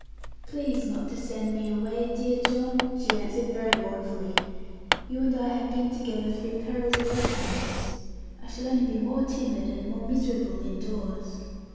'Please not to send me away, dear John,' she answered very mournfully; 'you and I have been together through perils worse than this. I shall only be more timid, and more miserable, indoors.'